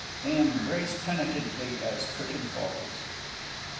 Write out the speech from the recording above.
[_They embrace penitently as Curtain falls.